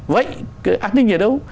vậy cái an ninh ở đâu